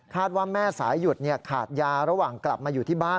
ว่าแม่สายหยุดขาดยาระหว่างกลับมาอยู่ที่บ้าน